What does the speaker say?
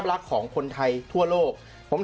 เธอจะบอกว่าเธอจะบอกว่า